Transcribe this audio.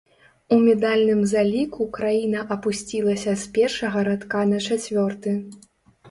У медальным заліку краіна апусцілася з першага радка на чацвёрты.